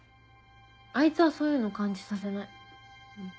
あいつはそういうの感じさせない。